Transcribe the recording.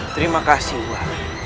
terima kasih wak